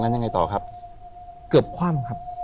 ถูกต้องไหมครับถูกต้องไหมครับ